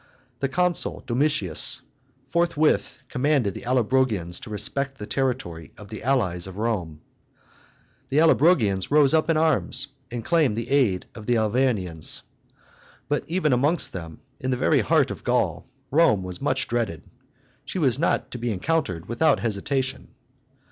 The consul Domitius forthwith commanded the Allobrogians to respect the territory of the allies of Rome. The Allobrogians rose up in arms and claimed the aid of the Arvernians. But even amongst them, in the very heart of Gaul, Rome was much dreaded; she was not to be encountered without hesitation.